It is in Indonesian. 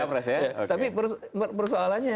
tapi persoalannya adalah apa namanya